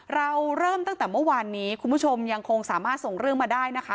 เราเริ่มตั้งแต่เมื่อวานนี้คุณผู้ชมยังคงสามารถส่งเรื่องมาได้นะคะ